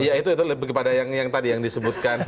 iya itu lebih kepada yang tadi yang disebutkan